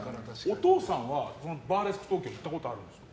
お父さんはバーレスク東京行ったことあるんですか？